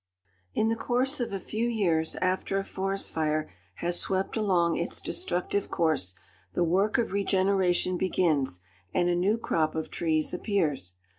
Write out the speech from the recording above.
In the course of a few years after a forest fire has swept along its destructive course, the work of regeneration begins, and a new crop of trees appears.